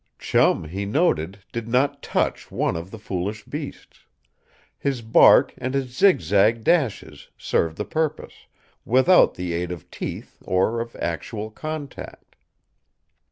Chum, he noted, did not touch one of the foolish beasts. His bark and his zigzag dashes served the purpose, without the aid of teeth or of actual contact.